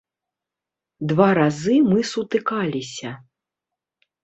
Два разы мы сутыкаліся.